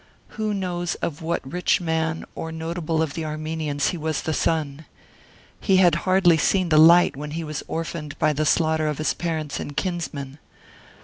Who knows of what rich man or Notable of the Armenians he was the son? He had hardly seen the light when he was orphaned by the slaughter of his parents and kinsmen.